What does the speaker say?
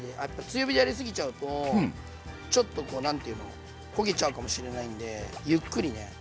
強火でやり過ぎちゃうとちょっとこう何て言うの焦げちゃうかもしれないんでゆっくりね。